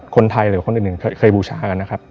คนไทยหรือคนอื่นเคยบูชากันนะครับ